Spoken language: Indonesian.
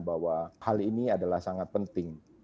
bahwa hal ini adalah sangat penting